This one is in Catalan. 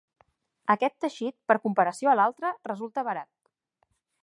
Aquest teixit, per comparació a l'altre, resulta barat.